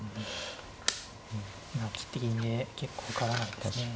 切って金で結構受からないですね。